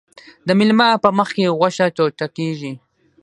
د میلمه په مخکې غوښه ټوټه کیږي.